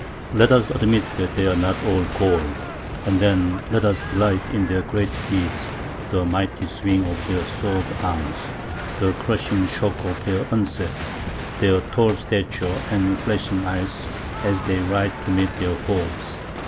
Let us admit that they are not all gold; and then let us delight in their great deeds, the mighty swing of their sword arm, the crushing shock of their onset, their tall stature and flashing eyes as they ride to meet their foes.